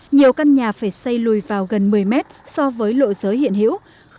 nhiều căn nhà phải xây lùi vào gần một mươi mét so với lộ giới hiện hữu